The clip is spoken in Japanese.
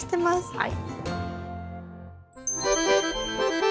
はい。